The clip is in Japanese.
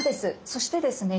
そしてですね